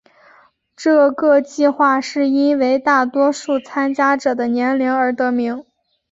这个计画是因为大多数参加者的年龄而得名。